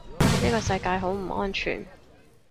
呢個世界好唔安全